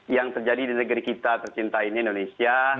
yang terjadi di negeri kita tercinta ini indonesia